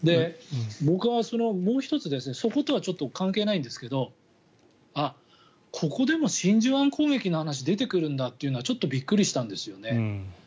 僕はもう１つ、そことはちょっと関係ないんですがここでも真珠湾攻撃の話が出てくるんだというのがちょっとびっくりしたんですよね。